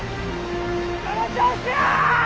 その調子や！